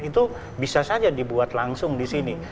itu bisa saja dibuat langsung di sini